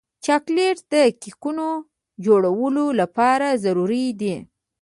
چاکلېټ د کیکونو جوړولو لپاره ضروري دی.